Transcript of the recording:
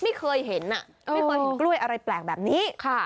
ไม่เคยเห็นกล้วยอะไรแปลกแบบนี้